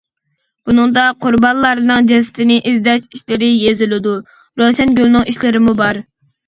بۇنىڭدا قۇربانلارنىڭ جەسىتىنى ئىزدەش ئىشلىرى يېزىلىدۇ، روشەنگۈلنىڭ ئىشلىرىمۇ بار.